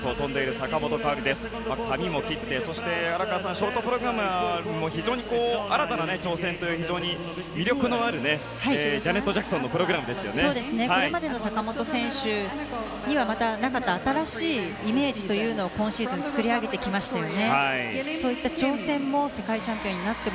荒川さん、髪も切ってそしてショートプログラムは新たな挑戦という魅力のあるジャネット・ジャクソンのこれまでの坂本選手にはまたなかった新しいイメージというのを今シーズン作り上げてきましたね。